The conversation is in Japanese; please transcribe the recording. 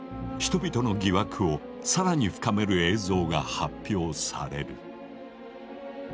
人々の疑惑を更に深める映像が発表される。